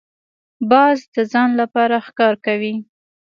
باز د ځان لپاره ښکار کوي